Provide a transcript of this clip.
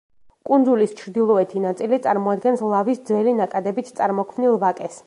კუნძულის ჩრდილოეთი ნაწილი წარმოადგენს ლავის ძველი ნაკადებით წარმოქმნილ ვაკეს.